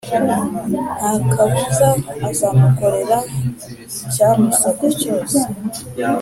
ntakabuza azamukorera icyamusabye cyose.